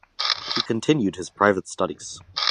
He continued his private studies.